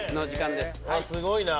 すごいな。